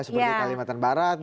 seperti kalimantan barat